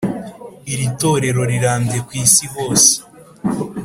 Iri torero rirambye kw Isi hose